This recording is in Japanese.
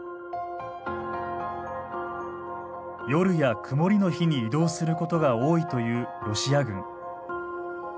夜や曇りの日に移動することが多いというロシア軍。